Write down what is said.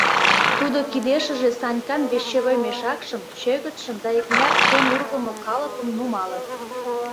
Тудо кидешыже Санькан вещевой мешакшым, чӧгытшым да икмыняр кем ургымо калыпым нумалын.